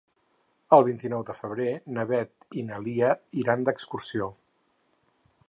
El vint-i-nou de febrer na Beth i na Lia iran d'excursió.